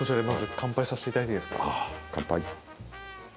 乾杯！